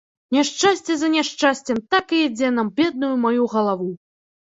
Няшчасце за няшчасцем так і ідзе на бедную маю галаву!